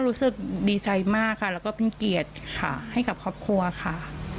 รู้สึกดีใจมากค่ะแล้วก็เป็นเกียรติค่ะให้กับครอบครัวค่ะ